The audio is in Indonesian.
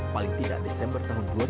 pada desember dua ribu dua puluh satu